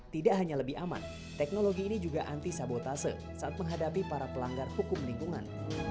tidak hanya lebih aman teknologi ini juga anti sabotase saat menghadapi para pelanggar hukum lingkungan